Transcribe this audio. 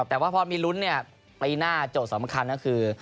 แต่ว่าพอมีลุ้นปีหน้าโจทย์สำคัญก็คือ